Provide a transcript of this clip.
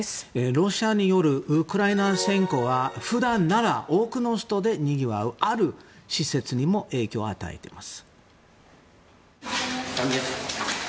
ロシアによるウクライナ侵攻は普段なら多くの人でにぎわうある施設にも影響を与えています。